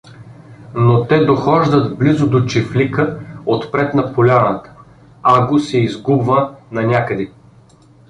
Но те дохождат близо до чифлика, отпред на поляната, Аго се изгубва нанякъде.